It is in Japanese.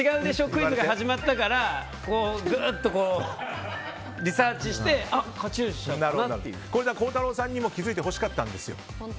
クイズが始まったからぐっとリサーチして孝太郎さんにも気づいてほしかったんですよ。